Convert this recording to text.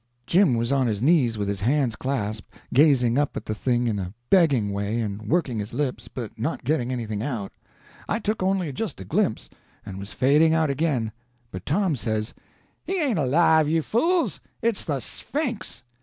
Jim was on his knees with his hands clasped, gazing up at the thing in a begging way, and working his lips, but not getting anything out. I took only just a glimpse, and was fading out again, but Tom says: "He ain't alive, you fools; it's the Sphinx!"